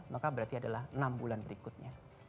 maka berarti adalah enam bulan berikutnya